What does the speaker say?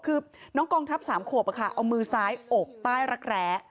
คือน้องกองทัพ๓ขวบเอามือซ้ายอบใต้รักแร้